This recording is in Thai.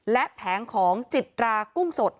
และแผงของจิตรากุ้งสด